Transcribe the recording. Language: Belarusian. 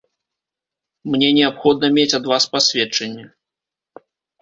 Мне неабходна мець ад вас пасведчанне.